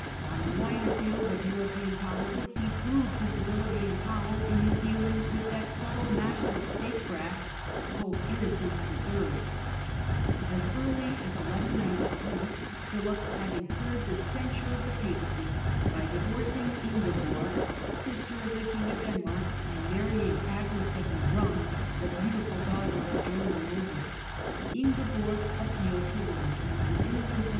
On the wider field ^nnocen ^^ European politics he proved his ability and power in his dealings with that subtle master of statecraft Pope Innocent IIL As early as 1193 Philip had incurred the censure of the Papacy by divorcing his second wife, Ingeborg, sister of the King of Denmark, and marrying Agnes of Meran, the beautiful daughter of a German noble. Ingeborg appealed to Rome, and when Innocent III.